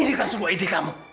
ini kan sebuah ide kamu